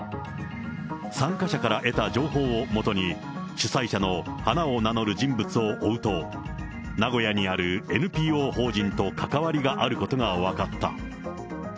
参加者から得た情報を基に、主催者の花を名乗る人物を追うと、名古屋にあるＮＰＯ法人と関わりがあることが分かった。